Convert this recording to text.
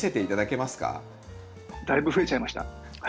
だいぶ増えちゃいました。